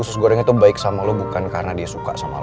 sus gorengnya itu baik sama lo bukan karena dia suka sama lo